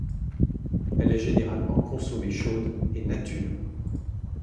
Elle est généralement consommée chaude et nature.